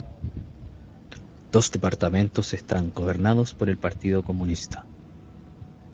Dos departamentos están gobernados por el Partido Comunista.